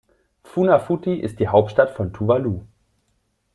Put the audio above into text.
Funafuti ist die Hauptstadt von Tuvalu.